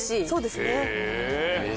そうですね。